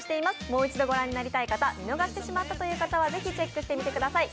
もう一度御覧になりたい方、見逃してしまったという方はぜひチェックしてみてください。